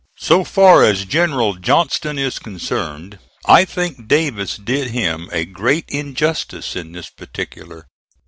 So far as General Johnston is concerned, I think Davis did him a great injustice in this particular.